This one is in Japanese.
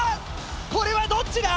これはどっちだ